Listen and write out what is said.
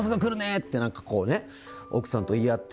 って何かこうね奥さんと言い合って。